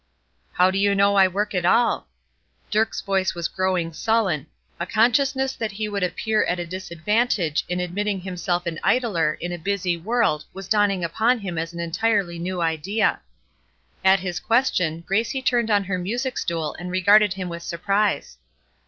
"How do you know I work at all?" Dirk's voice was growing sullen; a consciousness that he would appear at a disadvantage in admitting himself an idler in a busy world was dawning upon him as an entirely new idea. At his question, Gracie turned on her music stool and regarded him with surprise.